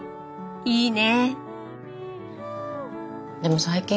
いいね！